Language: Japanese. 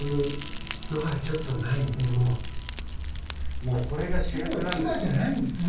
もうこれが主役なんですね。